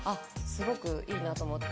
すごくいいなと思って。